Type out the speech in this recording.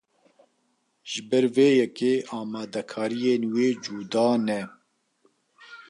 Ji ber vê yekê amadekariyên wê cuda ne.